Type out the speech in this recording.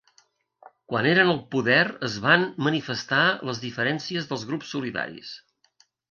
Quan eren al poder es van manifestar les diferències dels grups solidaris.